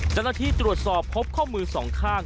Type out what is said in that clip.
จังหาที่ตรวจสอบพบข้อมือ๒ข้าง